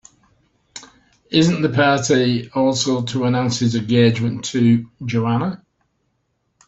Isn't the party also to announce his engagement to Joanna?